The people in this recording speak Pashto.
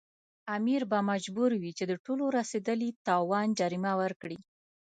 امیر به مجبور وي چې د ټولو رسېدلي تاوان جریمه ورکړي.